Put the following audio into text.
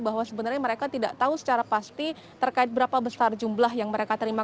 bahwa sebenarnya mereka tidak tahu secara pasti terkait berapa besar jumlah yang mereka terima